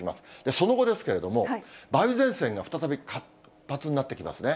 その後ですけれども、梅雨前線が再び活発になってきますね。